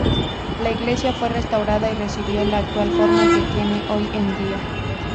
La iglesia fue restaurada y recibió la actual forma que tiene hoy en día.